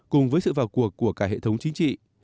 cùng với sự vào cuộc của cả hệ thống chính trị